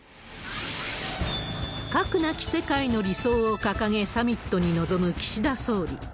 核なき世界の理想を掲げ、サミットに臨む岸田総理。